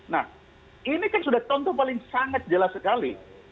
nah ini kan sudah tonto paling sangat jelas sekali